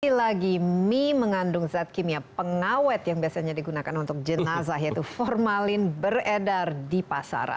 apalagi mie mengandung zat kimia pengawet yang biasanya digunakan untuk jenazah yaitu formalin beredar di pasaran